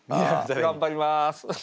頑張ります！